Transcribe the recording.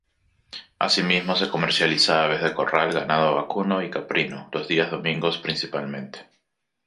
Asimismo se comercializa aves de corral, ganado vacuno y caprino, los días domingos principalmente.